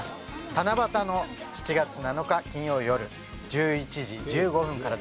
七夕の７月７日金曜よる１１時１５分からです。